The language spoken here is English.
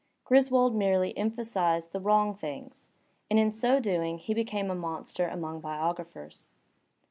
Griswold merely emphasized the wrong things, and in so doing he became a monster among biographers.